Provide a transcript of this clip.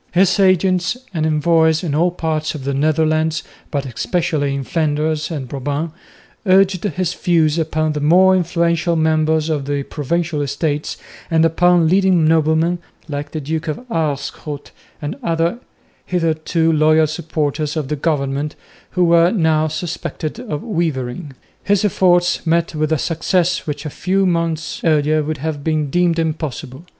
His agents and envoys in all parts of the Netherlands, but especially in Flanders and Brabant, urged his views upon the more influential members of the provincial estates and upon leading noblemen, like the Duke of Aerschot and other hitherto loyal supporters of the government, who were now suspected of wavering. His efforts met with a success which a few months earlier would have been deemed impossible.